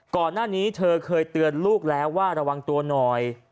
ก่อนหน้านี้เธอเคยเตือนลูกแล้วว่าระวังตัวหน่อย